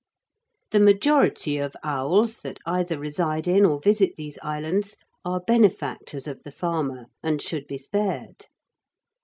The majority of owls that either reside in or visit these islands are benefactors of the farmer, and should be spared.